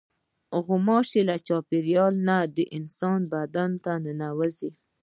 غوماشې له چاپېریاله نه د انسان بدن ته ننوځي.